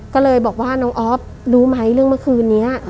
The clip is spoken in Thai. ก็เลยบอกว่าน้องออฟรู้ไหมเรื่องเมื่อคืนนี้